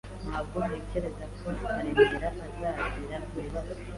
Ntabwo ntekereza ko Karemera azagira ibibazo.